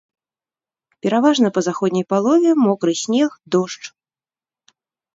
Пераважна па заходняй палове мокры снег, дождж.